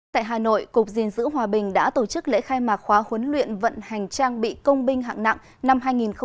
tại hà nội cục gìn giữ hòa bình đã tổ chức lễ khai mạc khóa huấn luyện vận hành trang bị công binh hạng nặng năm hai nghìn một mươi chín